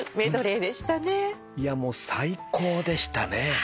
いやもう最高でしたね。